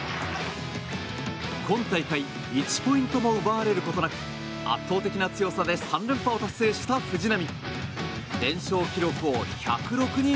今大会１ポイントも奪われることなく圧倒的な強さで３連覇を達成した藤波。